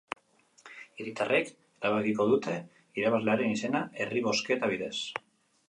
Hiritarrek erabakiko dute irabazlearen izena, herri-bozketa bidez.